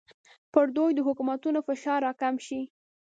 پر دوی د حکومتونو فشار راکم شي.